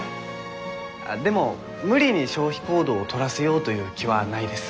でも無理に消費行動を取らせようという気はないです。